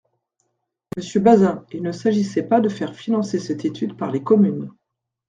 Monsieur Bazin, il ne s’agissait pas de faire financer cette étude par les communes.